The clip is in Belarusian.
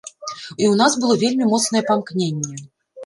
І ў нас было вельмі моцнае памкненне.